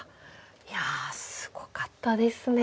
いやすごかったですね。